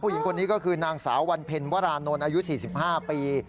หญิงคนนี้ก็คือนางสาววันเพ็ญวรานนท์อายุ๔๕ปี